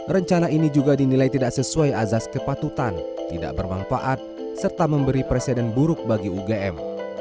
rencana ini juga dinilai tidak sesuai azas kepatutan tidak bermanfaat serta memberi presiden buruk bagi ugm